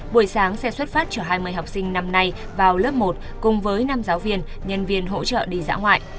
buổi sáng xe xuất phát trở hai mươi học sinh năm nay vào lớp một cùng với năm giáo viên nhân viên hỗ trợ đi dã ngoại